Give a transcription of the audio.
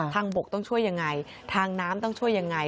ทางบกต้องช่วยอย่างไรทางน้ำต้องช่วยอย่างไร